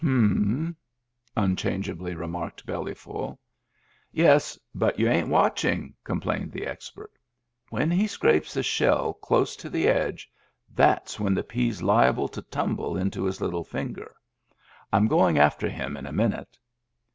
" H'm," unchangeably remarked Bellyful. " Yes, but you ain't watching," complained the expert. "When he scrapes a shell close to the edge, that's when the pea's liable to tumble into his little finger. I'm going after him in a min ute."